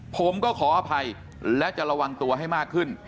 ผมก็ขออภัยและจะระวังตัวให้มากขึ้น